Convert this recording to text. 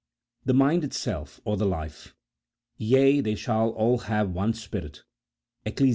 The mind itself, or the life :" Yea, they have all one spirit," Eccles.